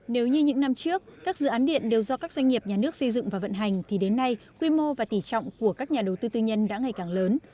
nếu như những năm trước các dự án điện đều do các doanh nghiệp nhà nước xây dựng và vận hành thì đến nay quy mô và tỉ trọng của các nhà đầu tư tư nhân đã ngày càng lớn